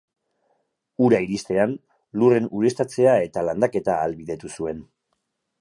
Ura iristean, lurren ureztatzea eta landaketa ahalbidetu zuen.